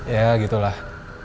ya gitu lah